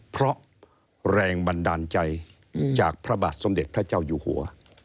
เพราะแรงบันดาลใจจากพระบาทสมเด็จพระเจ้าอยู่หัว